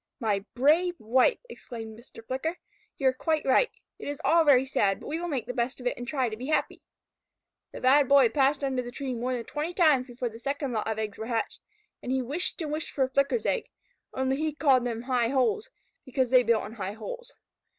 "My brave wife!" exclaimed Mr. Flicker. "You are quite right. It is all very sad, but we will make the best of it and try to be happy." The Bad Boy passed under the tree more than twenty times before the second lot of eggs were hatched, and he wished and wished for a Flicker's egg (only he called them High Holes, because they built in high holes).